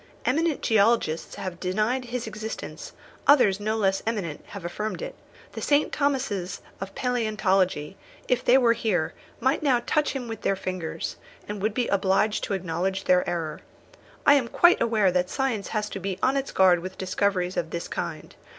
Eminent geologists have denied his existence, others no less eminent have affirmed it. The St. Thomases of palæontology, if they were here, might now touch him with their fingers, and would be obliged to acknowledge their error. I am quite aware that science has to be on its guard with discoveries of this kind.